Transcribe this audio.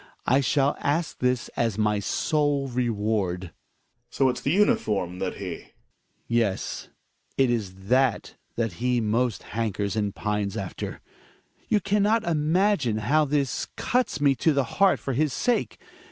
I shall ask this as my sole reward. Gregers. So it's the uniform that he ? Hjalmar. Yes; it is that that he most hankers and pines after. You can not imagine how this cuts me to the heart for his sake.